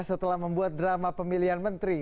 setelah membuat drama pemilihan menteri